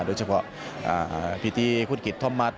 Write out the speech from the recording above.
โดยเฉพาะพิธีพุทธคิดทอมมัศ